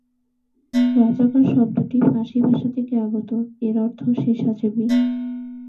রাজাকার শব্দটি ফার্সি ভাষা থেকে আগত, এর অর্থ স্বেচ্ছাসেবী।